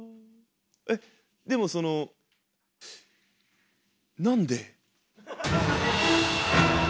えっでもそのなんで？